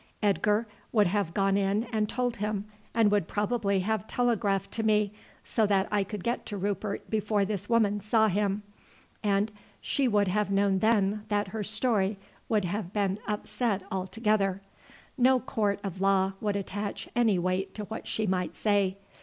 Edgar would have gone in and told him, and would probably have telegraphed to me, so that I could get to Rupert before this woman saw him, and she would have known then that her story would have been upset altogether. No court of law would attach any weight to what she might say.